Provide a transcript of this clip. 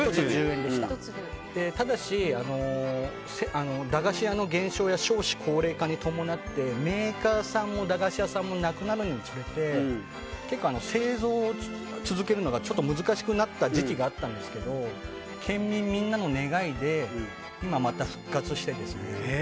ただし、駄菓子屋の減少や少子高齢化に伴ってメーカーさんも駄菓子屋さんもなくなるにつれて結構、製造を続けるのが難しくなった時期があったんですが県民みんなの願いで今また復活して。